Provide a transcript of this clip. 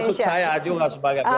termasuk saya juga sebagai pihak kpr